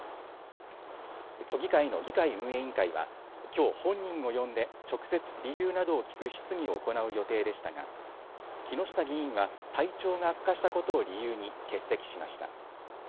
都議会の議会運営委員会はきょう本人を呼んで直接、理由などを聞く質疑を行う予定でしたが木下議員は体調が悪化したことを理由に欠席しました。